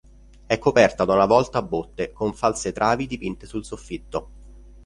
È coperta da una volta a botte con false travi dipinte sul soffitto.